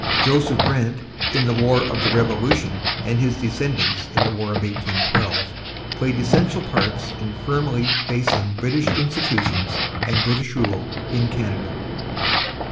Joseph Brant in the War of the Revolution and his descendants in the War of 1812 played essential parts in firmly basing British institutions and British rule in Canada.